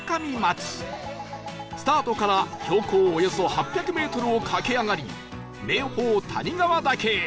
スタートから標高およそ８００メートルを駆け上がり名峰谷川岳へ